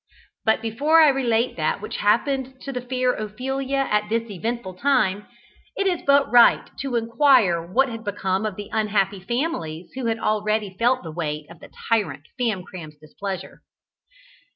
But before I relate that which happened to the fair Ophelia at this eventful time, it is but right to inquire what had become of the unhappy families who had already felt the weight of the tyrant Famcram's displeasure.